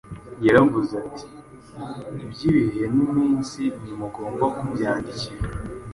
Yaravuze ati: “Iby’ibihe n’iminsi, ntimugomba kubyandikirwa